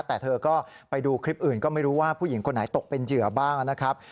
แต่เธอก็ไปดูคลิปอื่นก็ไม่รู้ว่าผู้หญิงคนไหนตกเป็นเหยื่อบ้างนะครับ